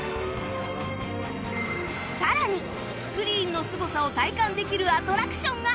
さらにスクリーンのすごさを体感できるアトラクションが！